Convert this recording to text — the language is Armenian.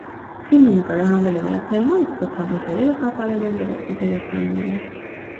Ֆիլմը նկարահանվել է վրացերենով, իսկ գլխավոր դերերը կատարել են վրացի դերասանները։